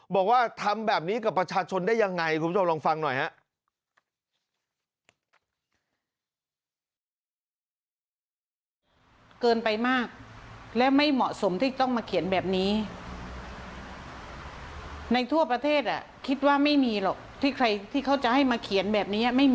บอกว่าทำแบบนี้กับประชาชนได้ยังไงคุณผู้ชมลองฟังหน่อยฮะ